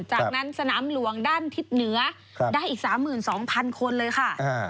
จากนั้นสนามหลวงด้านทิศเหนือได้อีก๓๒๐๐๐คนเลยค่ะ